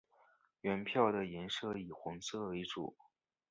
原票的颜色以红色为主。